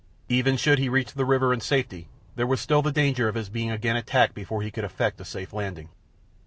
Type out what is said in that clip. Even should he reach the river in safety, there was still the danger of his being again attacked before he could effect a safe landing.